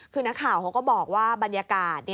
คือนักข่าวเขาก็บอกว่าบรรยากาศ